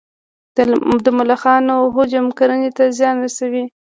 د ملخانو هجوم کرنې ته زیان رسوي